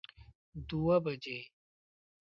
دوه بجی